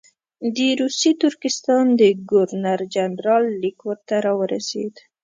د روسي ترکستان د ګورنر جنرال لیک ورته راورسېد.